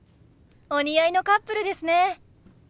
お似合いのカップルですね！